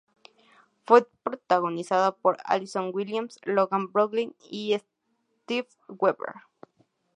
Fue protagonizada por Allison Williams, Logan Browning y Steven Weber.